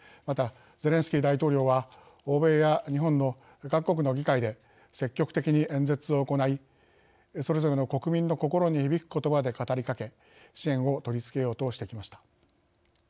また、ゼレンスキー大統領は欧米や日本の各国の議会で積極的に演説を行いそれぞれの国民の心に響くことばで語りかけ支持を取り付けようとしてきました。